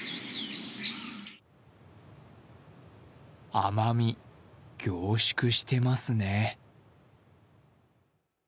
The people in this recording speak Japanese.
甘み、凝縮してますね。